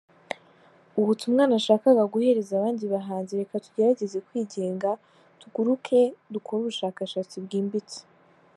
Ubutumwa nashakaga guhereza abandi bahanzi, reka tugerageze kwigenga, tuguruke, dukore ubushakashatsi bwimbitse.